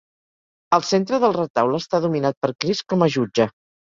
El centre del retaule està dominat per Crist com a jutge.